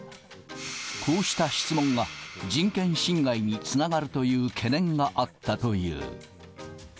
こうした質問が人権侵害につながるという懸念があったという。